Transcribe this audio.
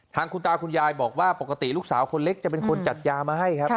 ทางคุณตาคุณยายบอกว่าปกติลูกสาวคนเล็กจะเป็นคนจัดยามาให้ครับ